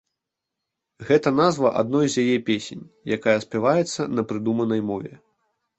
Гэта назва адной з яе песень, якая спяваецца на прыдуманай мове.